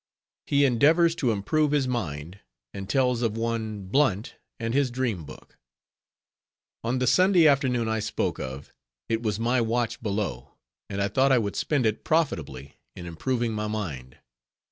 HE ENDEAVORS TO IMPROVE HIS MIND; AND TELLS OF ONE BLUNT AND HIS DREAM BOOK On the Sunday afternoon I spoke of, it was my watch below, and I thought I would spend it profitably, in improving my mind.